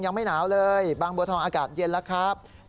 ยังไม่หนาวเลยบางบัวทองอากาศเย็นแล้วครับ